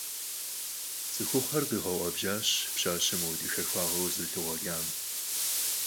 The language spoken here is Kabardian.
ЦӀыхухъухэр къигъэуӀэбжьащ пщащэм апхуэдэ хахуагъэ къызэрылъыкъуэкӀам.